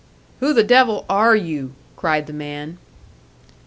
"Who the devil are you?" cried the man.